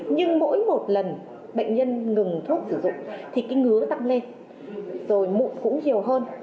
nhưng mỗi một lần bệnh nhân ngừng thuốc sử dụng thì cái ngứa tăng lên rồi mụn cũng nhiều hơn